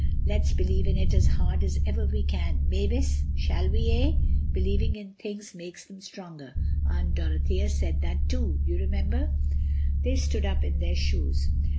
Let's believe in it as hard as ever we can. Mavis—shall we, eh? Believing in things makes them stronger. Aunt Dorothea said that too—you remember." They stood up in their shoes.